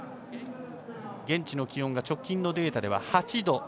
現地の気温が直近のデータでは８度。